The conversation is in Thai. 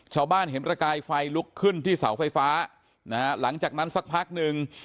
ชาวบ้านเห็นประกายไฟลุกขึ้นที่เสาไฟฟ้านะฮะหลังจากนั้นสักพักหนึ่ง